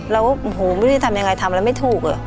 เราไม่ได้ทำยังไงทำแล้วไม่ถูก